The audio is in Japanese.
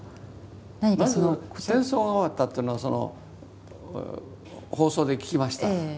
まず戦争が終わったっていうのはその放送で聞きました。